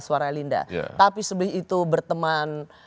suara linda tapi sedih itu berteman